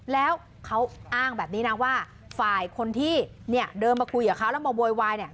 แล้วเขาอ้างแบบนี้นะว่าฝ่ายคนที่เดินมาคุยกับเขาแล้วมาโวยวาย